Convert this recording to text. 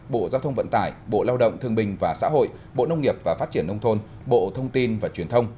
bộ giao thông vận tải bộ lao động thương bình và xã hội bộ nông nghiệp và phát triển nông thôn bộ thông tin và truyền thông